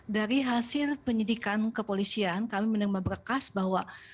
dari hasil penyidikan kepolisian kami menerima berkas bahwa